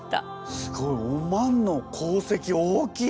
すごいお万の功績大きい！